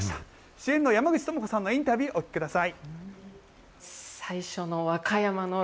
主演の山口智子さんのインタビュー、お聞きください。